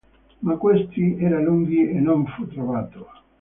Ma questi era lungi e non fu trovato.